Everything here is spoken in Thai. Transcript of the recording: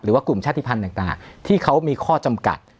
กลุ่มชาติภัณฑ์ต่างที่เขามีข้อจำกัด